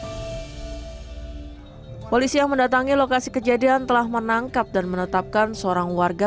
hai polisi yang mendatangi lokasi kejadian telah menangkap dan menetapkan seorang warga